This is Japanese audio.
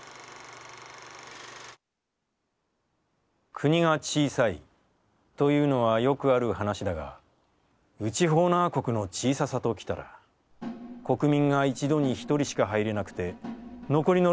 「国が小さい、というのはよくある話だが、内ホーナー国の小ささときたら、国民が一度に一人しか入れなくて、残りの六人は内